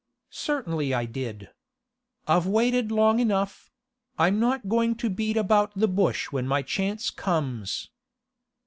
'Certainly I did. I've waited long enough; I'm not going to beat about the bush when my chance comes.